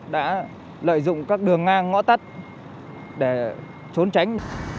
đã lợi dụng các đường ngang ngõ tắt để trốn tránh